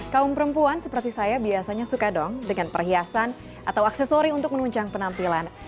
kaum perempuan seperti saya biasanya suka dong dengan perhiasan atau aksesori untuk menunjang penampilan